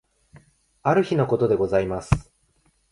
ある日のことでございます。